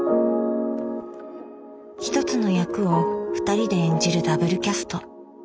ひとつの役をふたりで演じるダブルキャスト。